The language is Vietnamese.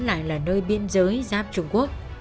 lại là nơi biên giới giáp trung quốc